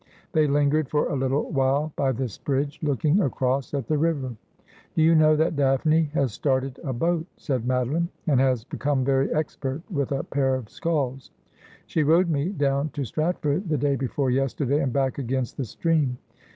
They lingered for a little while by this bridge, looking across at the river. ' Do you know that Daphne has started a boat,' said Mado line, ' and has become very expert with a pair of sculls ? She rowed me down to Stratford the day before yesterday, and back against the stream.'